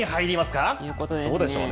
どうでしょうね。